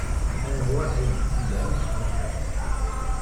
Anwa ay tt-ilan texxamt-a?